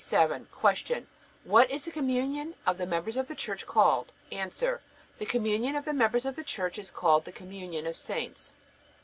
Q. What is the communion of the members of the Church called? A. The communion of the members of the Church is called the communion of saints.